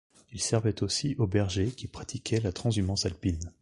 Il servait aussi aux bergers qui pratiquaient la transhumance alpine.